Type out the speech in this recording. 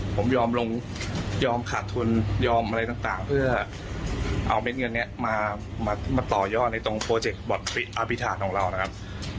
ผมยอมขาดทุนยอมอะไรต่างเพื่อเอาเงินนี้มาต่อยอดในตรงโปรเจคบอร์ดปิอพิธานของเรานะครับ